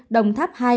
đồng tháp hai